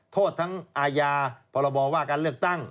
โทษทั้งอาญาพรบว่าการเลือกตั้ง